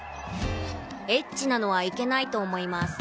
エッチなのはいけないと思います。